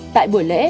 tại buổi lễ